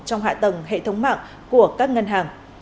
trong hạ tầng hệ thống mạng của các ngân hàng